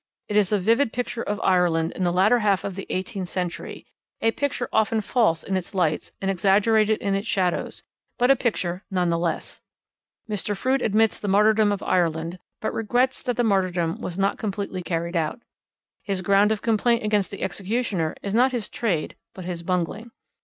It is a vivid picture of Ireland in the latter half of the eighteenth century, a picture often false in its lights and exaggerated in its shadows, but a picture none the less. Mr. Froude admits the martyrdom of Ireland but regrets that the martyrdom was not more completely carried out. His ground of complaint against the Executioner is not his trade but his bungling.